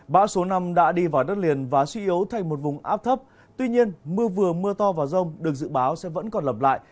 bão số năm đã đi vào đất liền và suy yếu thành một vùng áp thấp tuy nhiên mưa vừa mưa to và rông được dự báo sẽ vẫn còn lặp lại